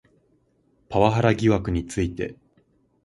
パワハラ疑惑について